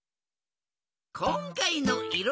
こんかいのいろ